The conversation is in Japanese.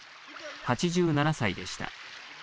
８７歳でした。